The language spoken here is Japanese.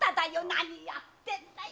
何やってんだよ！